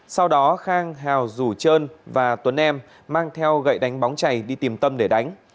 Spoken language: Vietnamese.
sau đó khang hào rủ trơn và tuấn em mang theo gậy đánh bóng chảy đi tìm tâm để đánh